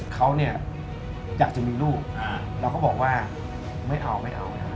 เขาเนี่ยอยากจะมีลูกเราก็บอกว่าไม่เอาไม่เอา